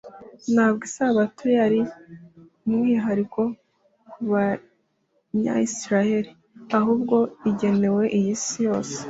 ntabwo isabato yari umwihariko ku banyayisiraheli, ahubwo igenewe isi yose